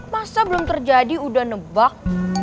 masa belum terjadi udah nebak